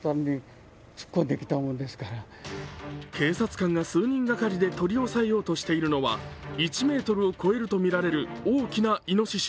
警察官が数人がかりで取り押さえようとしているのは１ｍを超えるとみられる大きな、いのしし。